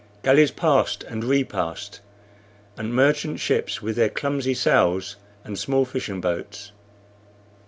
Galleys passed and repassed, and merchant ships with their clumsy sails, and small fishing boats.